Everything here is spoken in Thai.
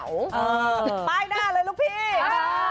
ป้ายหน้าเลยลูกพี่